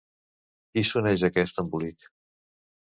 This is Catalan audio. Qui s'uneix a aquest embolic?